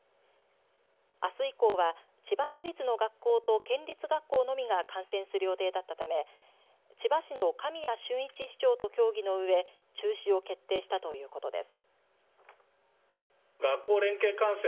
あす以降は千葉市立の学校と県立学校のみが観戦する予定だったため千葉市の神谷俊一市長と協議のうえ、中止を決定したということです。